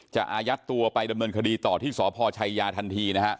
อายัดตัวไปดำเนินคดีต่อที่สพชัยยาทันทีนะฮะ